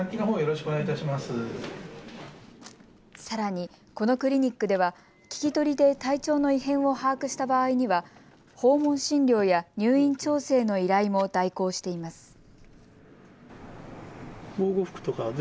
さらに、このクリニックでは聞き取りで体調の異変を把握した場合には訪問診療や入院調整の依頼も代行しています。